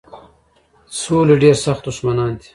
سولي ډېر سخت دښمنان دي.